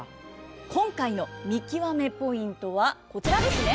今回の見きわめポイントはこちらですね。